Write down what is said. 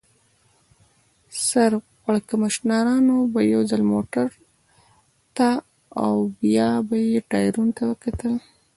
سر پړکمشرانو به یو ځل موټر ته بیا به یې ټایرونو ته وکتل.